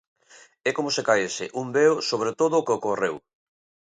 É como se caese un veo sobre todo o que ocorreu.